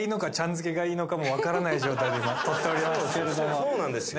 そうそうなんですよ。